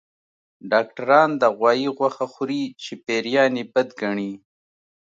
ډاکټران د غوايي غوښه خوري چې پيريان يې بد ګڼي